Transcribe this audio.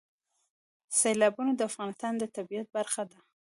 سیلابونه د افغانستان د طبیعت برخه ده.